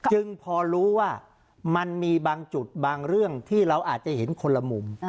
จึงพอรู้ว่ามันมีบางจุดบางเรื่องที่เราอาจจะเห็นคนละมุม